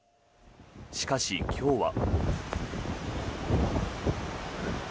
しかし、今日は。